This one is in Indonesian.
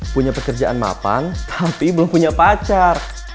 punya pekerjaan mapan tapi belum punya pacar